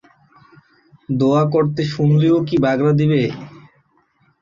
দোয়া করতে শুনলেও কি বাগড়া দিবে?